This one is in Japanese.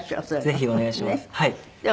ぜひお願いします。